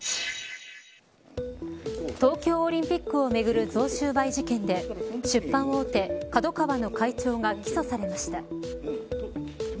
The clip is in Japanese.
東京オリンピックをめぐる贈収賄事件で出版大手、ＫＡＤＯＫＡＷＡの会長が起訴されました。